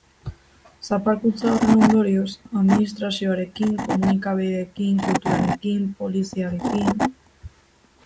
Zapalkuntza horren ondorioz, administrazioarekin, komunikabideekin, kulturarekin, poliziarekin...